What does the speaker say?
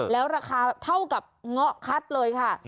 แล้วราคาเท่ากับเงาะคัดเลยค่ะ